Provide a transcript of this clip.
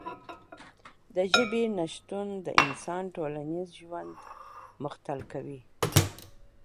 د ژبې نشتون د انسان ټولنیز ژوند مختل کوي.